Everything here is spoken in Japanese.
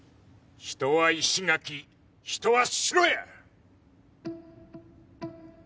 人は石垣人は城や！